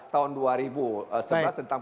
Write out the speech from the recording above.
tahun dua ribu sebelas tentang